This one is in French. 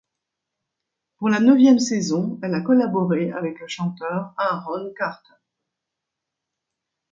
Pour la neuvième saison, elle a collaboré avec le chanteur Aaron Carter.